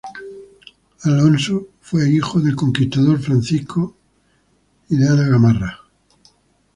Alonso fue hijo del conquistador Francisco Franco y de Ana Gamarra.